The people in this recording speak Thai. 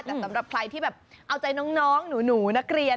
แต่สำหรับใครที่แบบเอาใจน้องหนูนักเรียน